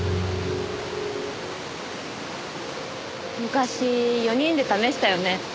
昔４人で試したよね。